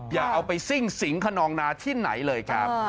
อย่าเอาไปซิ่งสิงขนองนาที่ไหนเลยครับ